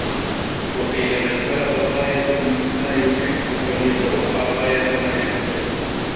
وَقِيلَ مَنْ بَلَغَ غَايَةَ مَا يُحِبُّ فَلْيَتَوَقَّعْ غَايَةَ مَا يَكْرَهُ